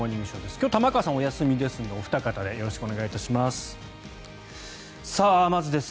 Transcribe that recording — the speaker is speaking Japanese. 今日、玉川さんはお休みですのでお二方でよろしくお願いします。